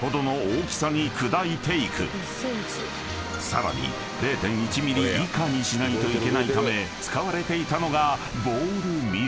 ［さらに０．１ｍｍ以下にしないといけないため使われていたのがボールミル］